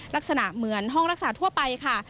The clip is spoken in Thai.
ลักษณะเหมือนห้องรักษาทั่วไปค่ะ